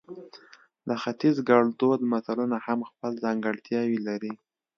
د ختیز ګړدود متلونه هم خپل ځانګړتیاوې لري